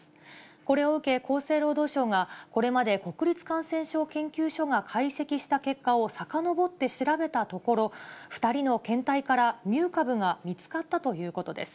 これを受け、厚生労働省がこれまで国立感染症研究所が解析した結果をさかのぼって調べたところ、２人の検体からミュー株が見つかったということです。